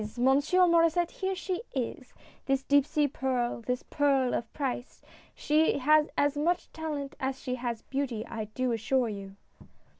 Monsieur Maurdsset, here she is I this deep sea pearl — this pearl of price ! She has as much talent as she has beauty, I do assure you